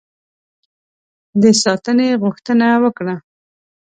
د ساتنې غوښتنه وکړه.